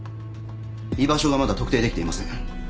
居場所がまだ特定できていません。